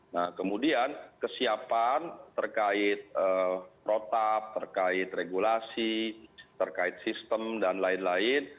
nah kemudian kesiapan terkait protap terkait regulasi terkait sistem dan lain lain